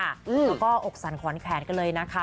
แล้วก็อกสั่นขวานแขนกันเลยนะคะ